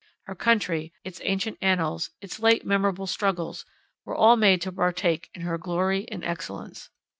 Her country, its ancient annals, its late memorable struggles, were all made to partake in her glory and excellence.